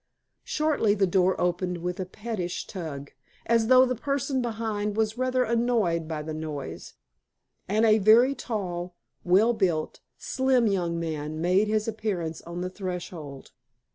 Shortly the door opened with a pettish tug, as though the person behind was rather annoyed by the noise, and a very tall, well built, slim young man made his appearance on the threshold.